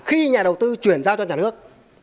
khi nhà đầu tư chuyển ra cho nhà nước